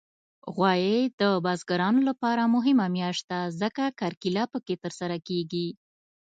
غویی د بزګرانو لپاره مهمه میاشت ده، ځکه کرکیله پکې ترسره کېږي.